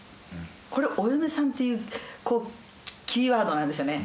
これ「お嫁さん」っていうキーワードなんですよね